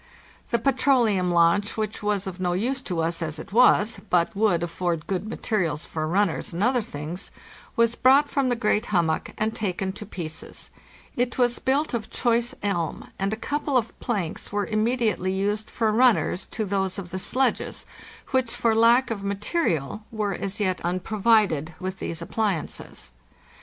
The petroleum launch, which was of no use to us as it was, but would afford good materials for runners and other things, was brought from the great hummock and taken to pieces; litt was built of choice elm, and a couple of planks were immediately used for runners to those of the sledges, which, for lack of ma terial, were as yet unprovided with these appliances.